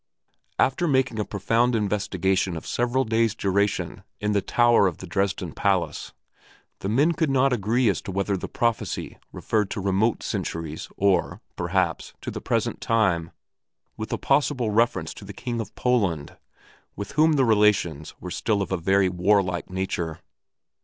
After making a profound investigation of several days' duration in the tower of the Dresden palace, the men could not agree as to whether the prophecy referred to remote centuries or, perhaps, to the present time, with a possible reference to the King of Poland, with whom the relations were still of a very warlike nature.